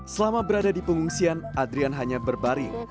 selama berada di pengungsian adrian hanya berbaring